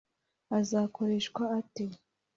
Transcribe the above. azakoreshwa ate